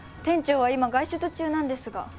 店長は今外出中なんですが。